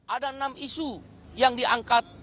ada enam isu yang diangkat